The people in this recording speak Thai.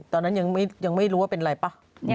ตอนนั้นยังไม่รู้ว่าเป็นอะไรป่ะ